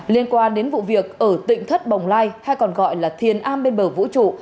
liên quan đến vụ việc ở tỉnh thất bồng lai hay còn gọi là thiền a bên bờ vũ trụ